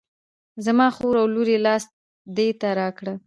زما خور او لور یې لاس دې را کړه.